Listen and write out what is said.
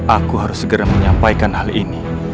aku harus segera menyampaikan hal ini